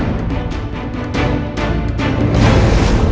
mas rasha tunggu